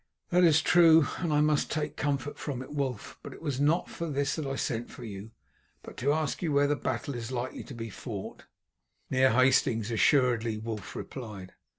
"That is true, and I must take comfort from it, Wulf; but it was not for this that I sent for you, but to ask you where the battle is likely to be fought." "Near Hastings, assuredly," Wulf replied.